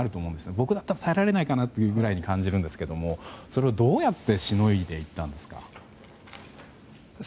僕だったら耐えられないかなとも感じるんですがそれをどうやってしのいでいたんですか？